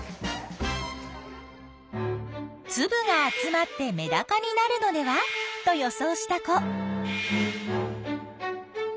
つぶが集まってメダカになるのではと予想した子。